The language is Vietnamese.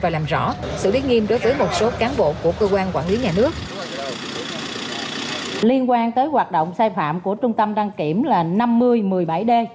liên quan tới hoạt động sai phạm của trung tâm đăng kiểm là năm mươi một mươi bảy d